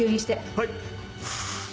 はい。